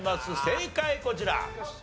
正解こちら。